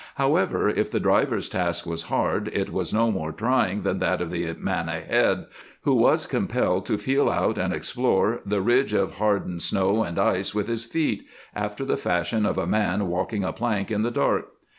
However, if the driver's task was hard it was no more trying than that of the man ahead, who was compelled to feel out and explore the ridge of hardened snow and ice with his feet, after the fashion of a man walking a plank in the dark.